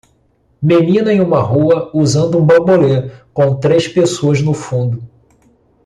Menina em uma rua usando um bambolê? com três pessoas no fundo.